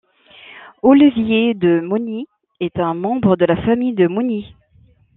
Olivier de Mauny est un membre de la famille de Mauny.